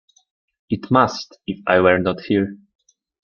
It must, if I were not here.